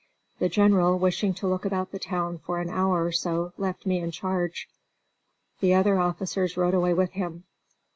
The General, wishing to look about the town for an hour or so, left me in charge. The other officers rode away with him.